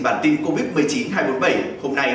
bản tin covid một mươi chín hai trăm bốn mươi bảy hôm nay